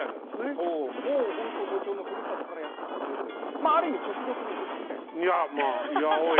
そうもうほんと所長のふるさとからやって来たということでまあある意味直属の部下みたいなことです。